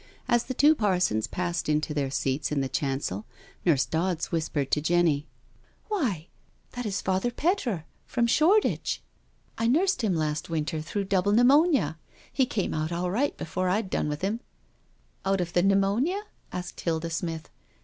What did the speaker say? As the two parsons passed into their seats in the chancel, Nurse Dodds whispered to Jenny : "Why, that is Father Petre from ShoreditchI I IN WDDLEHAM CHURCH 183 nursed him last winter through double pneumonia — he came out all right before Td done with him I" " Out of the pneumonia?*' asked Hilda Smith.